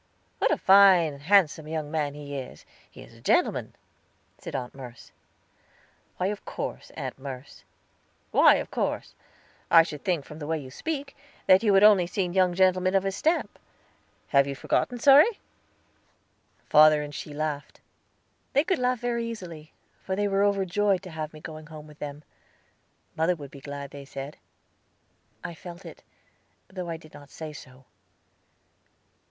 "What a fine, handsome young man he is! He is a gentleman," said Aunt Merce. "Of course, Aunt Merce." "Why of course? I should think from the way you speak that you had only seen young gentlemen of his stamp. Have you forgotten Surrey?" Father and she laughed. They could laugh very easily, for they were overjoyed to have me going home with them. Mother would be glad, they said. I felt it, though I did not say so.